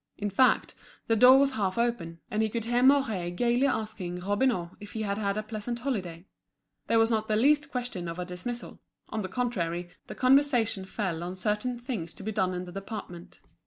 In fact, the door was half open, and he could hear Mouret gaily asking Robineau if he had had a pleasant holiday; there was not the least question of a dismissal—on the contrary, the conversation fell on certain things to be done in the department.